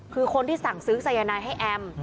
คือคนที่สั่งซื้อสายนายให้แอม